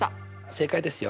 正解ですよ。